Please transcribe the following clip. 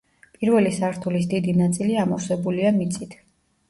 პირველი სართულის დიდი ნაწილი ამოვსებულია მიწით.